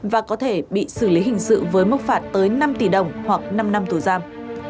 và có thể bị xử lý hình sự với mức phạt tới năm tỷ đồng hoặc năm năm tù giam